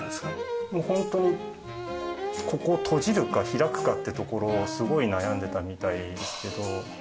もうホントにここ閉じるか開くかってところをすごい悩んでたみたいですけど。